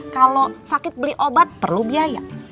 kalau sakit beli obat perlu biaya